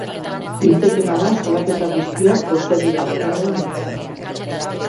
Litekeena da salaketa guztiak prozedura bakarrean biltzea.